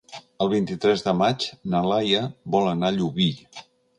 El vint-i-tres de maig na Laia vol anar a Llubí.